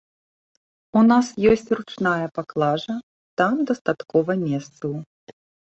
У нас ёсць ручная паклажа, там дастаткова месцаў.